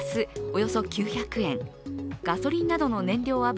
およそ９００円、ガソリンなどの燃料油